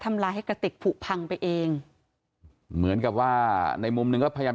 ลายให้กระติกผูกพังไปเองเหมือนกับว่าในมุมหนึ่งก็พยายาม